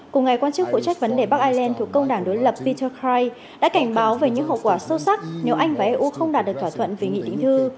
cùng ngày quan chức phụ trách vấn đề bắc ireland thuộc công đảng đối lập peterkri đã cảnh báo về những hậu quả sâu sắc nếu anh và eu không đạt được thỏa thuận về nghị định thư